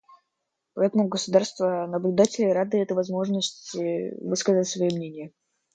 Поэтому государства-наблюдатели рады этой возможности высказать свои мнения.